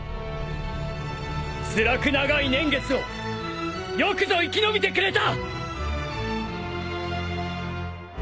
つらく長い年月をよくぞ生き延びてくれた！